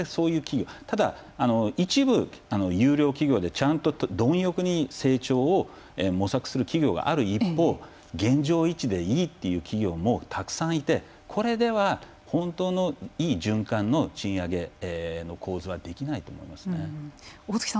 ただ、一部、優良企業でちゃんと貪欲に成長を模索する企業がある一方現状維持でいいっていう企業もたくさんいてこれでは、本当のいい循環の賃上げの構図はできないと思います。